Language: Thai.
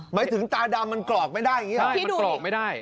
หมายถึงตาดำมันกรอกไม่ได้อย่างนี้